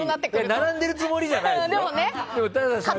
並んでるつもりじゃないですよ。